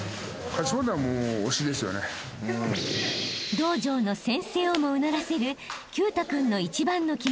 ［道場の先生をもうならせる毬太君の］